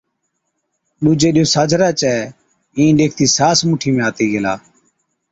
ڏُوجي ڏِيئو ساجھرا چَي اِين ڏيکتِي ساس مُٺِي ۾ آتِي گيلا،